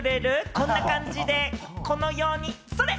こんな感じで、このように、それ！